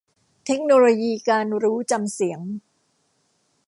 เทคโนโลยีการรู้จำเสียง